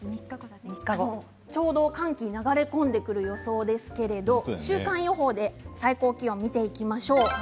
ちょうど寒気流れ込んでくる予想ですけれども週間予報で最高気温を見ていきましょう。